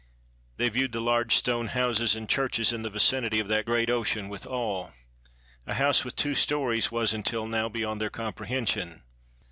They viewed the large stone houses and churches in the vicinity of the great ocean with awe. A house with two stories was, until now, beyond their com prehension.